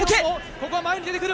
ここは前に出てくる。